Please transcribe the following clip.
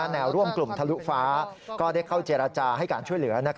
แนวร่วมกลุ่มทะลุฟ้าก็ได้เข้าเจรจาให้การช่วยเหลือ